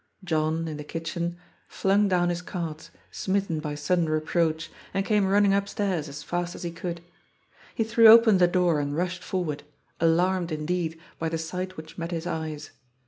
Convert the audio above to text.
John, in the kitchen, 426 GOD'S FOOL. flung down his cards, smitten by sadden reproach, and came running upstairs as fast as he could. He threw open the door and rushed forward, alarmed, indeed, by the sight which met his eyes.